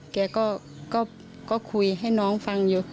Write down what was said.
แกก็คุยให้น้องฟังอยู่